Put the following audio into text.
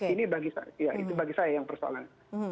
ini bagi saya yang persoalan